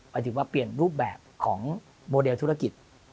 หมายถึงว่าเปลี่ยนรูปแบบของโมเดลธุรกิจ